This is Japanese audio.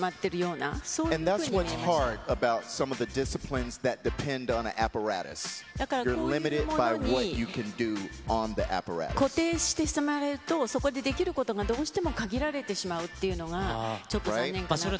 だから、こういうものに固定してしまわれると、そこでできることが、どうしても限られてしまうっていうのが、ちょっと残念かなと思いました。